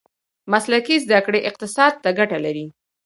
مسلکي زده کړې اقتصاد ته ګټه لري.